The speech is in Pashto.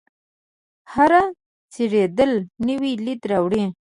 هره څیرېدل نوی لید راوړي.